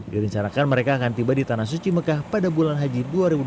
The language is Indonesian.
direncanakan mereka akan tiba di tanah suci mekah pada bulan haji dua ribu dua puluh